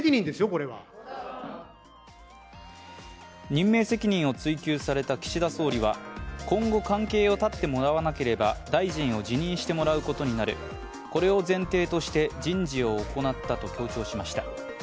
任命責任を追及された岸田総理は今後、関係を断ってもらわなければ大臣を辞任してもらうことになる、これを前提として人事を行ったと強調しました。